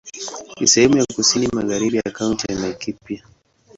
Ni sehemu ya kusini magharibi ya Kaunti ya Laikipia.